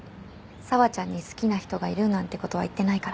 紗和ちゃんに好きな人がいるなんてことは言ってないから。